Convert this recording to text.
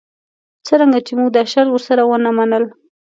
څرنګه چې موږ دا شرایط ورسره ونه منل.